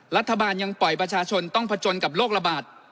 รัฐบาลยังปล่อยประชาชนต้องผจญกับโรคระบาด